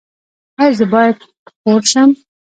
ایا زه باید خور شم؟